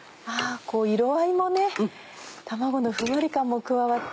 色合いもね卵のふんわり感も加わって。